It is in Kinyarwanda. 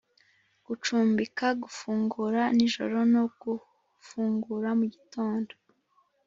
gucumbika gufungura nijoro no gufungura mugitondo